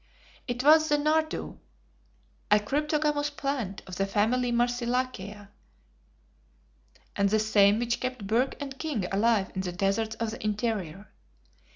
It was the NARDOU, a cryptogamous plant of the family Marsilacea, and the same which kept Burke and King alive in the deserts of the interior.